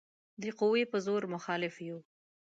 د قوې په زور مخالف یو.